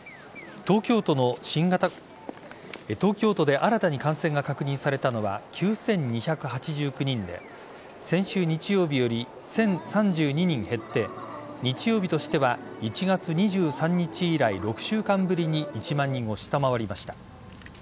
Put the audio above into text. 東京都で新たに感染が確認されたのは９２８９人で先週日曜日より１０３２人減って日曜日としては１月２３日以来６週間ぶりに１万人を下回りました。